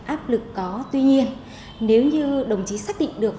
áp lực có tuy nhiên nếu như đồng chí xác định được